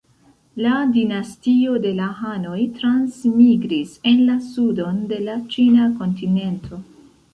La dinastio de la hanoj transmigris en la sudon de la ĉina kontinento.